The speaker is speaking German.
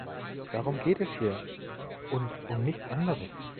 Darum geht es hier und um nichts anderes.